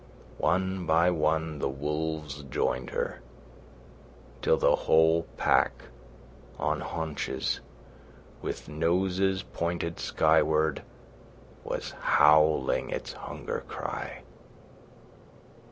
One by one the wolves joined her, till the whole pack, on haunches, with noses pointed skyward, was howling its hunger cry.